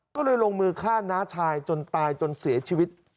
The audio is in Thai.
ก็เลยลงมือฆ่าน้าชายจนตายจนเสียชีวิต